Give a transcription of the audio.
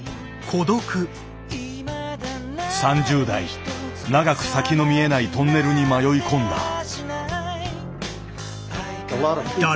３０代長く先の見えないトンネルに迷い込んだ。